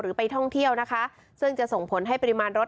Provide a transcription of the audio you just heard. ไปท่องเที่ยวนะคะซึ่งจะส่งผลให้ปริมาณรถ